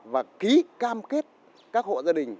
và ký cam kết các hộ gia đình